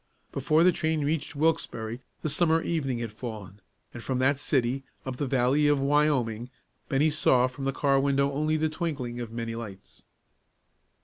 Before the train reached Wilkesbarre the summer evening had fallen, and from that city, up the valley of Wyoming, Bennie saw from the car window only the twinkling of many lights.